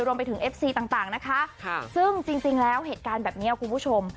รวมไปถึงเอฟซีต่างนะคะซึ่งจริงแล้วเหตุการณ์แบบนี้คุณผู้ชม